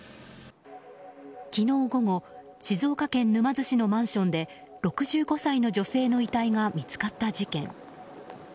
昨日午後静岡県沼津市のマンションで６５歳の女性の遺体が見つかった事件。